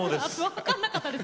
分かんなかったです。